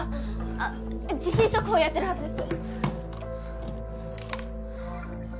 あっ地震速報やってるはずです。